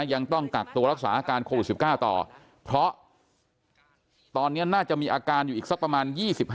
ยังต้องกักตัวรักษาอาการโควิด๑๙ต่อเพราะตอนนี้น่าจะมีอาการอยู่อีกสักประมาณ๒๕